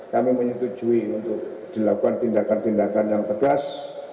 kami menyetujui untuk dilakukan tindakan tindakan yang tegas